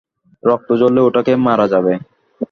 রক্ত ঝরলে, ওটাকে মারা যাবে।